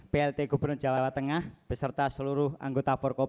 pilgub jawa tengah